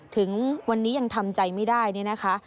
ถึงวันนี้ยังทำใจไม่ได้เนี่ยนะคะ